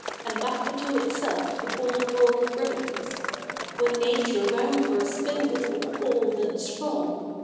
And hack into itself the whole zvorld brings ? IV hen Nature ronnd her spindle, cold and strong.